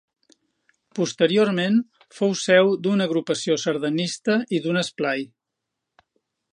Posteriorment fou seu d'una agrupació sardanista i d'un esplai.